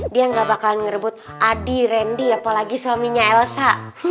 dia gak bakalan ngerebut adi randy apalagi suaminya elsa